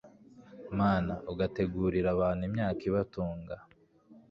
mana ugategurira abantu imyaka ibatunga